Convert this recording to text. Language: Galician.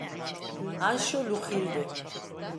Anxo Lugilde